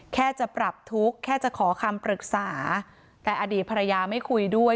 แค่จะปรับทุกข์แค่จะขอคำปรึกษาแต่อดีตภรรยาไม่คุยด้วย